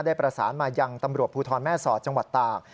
ได้ประสานมายังตำรวจภูทรแม่สอดจังหวัดตาก